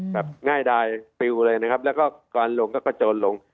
ง่ายดายปิวเลยนะครับแล้วก็ก่อนลงก็กระโจนลง